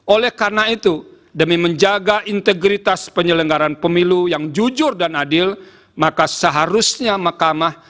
oleh karena itu demi menjaga integritas penyelenggaran pemilu yang jujur dan adil maka seharusnya mahkamah